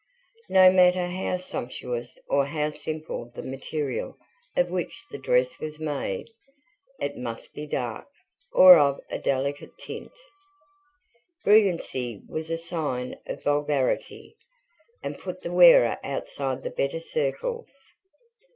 No matter how sumptuous or how simple the material of which the dress was made, it must be dark, or of a delicate tint. Brilliancy was a sign of vulgarity, and put the wearer outside the better circles.